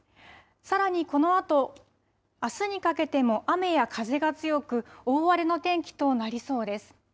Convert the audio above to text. さらにこのあとあすにかけても雨や風が強く大荒れの天気となりそうです。